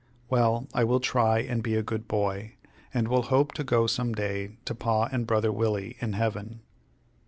Well, I will try and be a good boy, and will hope to go some day to Pa and brother Willie, in heaven."